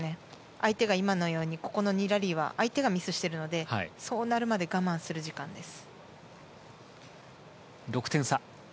相手が今のようにここの２ラリーは相手がミスをしているのでそうなるまで我慢する時間です。